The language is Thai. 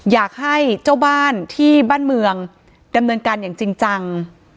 อยากให้เจ้าบ้านที่บ้านเมืองดำเนินการอย่างจริงจัง